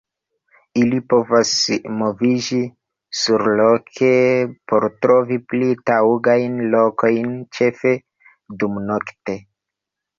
Ili povas moviĝi surloke por trovi pli taŭgajn lokojn, ĉefe dumnokte.